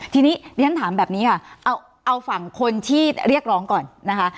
ทีนี้เรียนถามแบบนี้ค่ะเอาฝั่งคนที่เรียกร้องก่อนนะคะ